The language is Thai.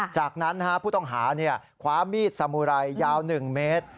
จากนั้นผู้ต้องหาคว้ามีดสมุไรยาว๑เมตร